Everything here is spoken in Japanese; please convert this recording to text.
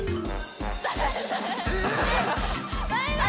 バイバーイ！